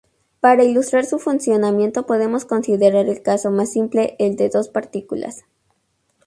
Para ilustrar su funcionamiento podemos considerar el caso más simple, el de dos partículas.